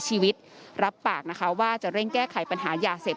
มีการต่อไปด้วยนะครับมีการต่อไปด้วยนะครับ